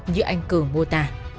như anh cường mô tả